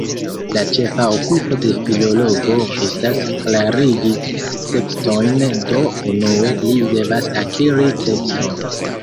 La ĉefa okupo de filologo estas klarigi tekstojn, do, unue, li devas akiri tekston.